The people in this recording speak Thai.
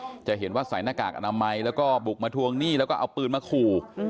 จะเห็นว่าใส่หน้ากากอนามัยแล้วก็บุกมาทวงหนี้แล้วก็เอาปืนมาขู่